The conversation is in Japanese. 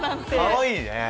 かわいいね！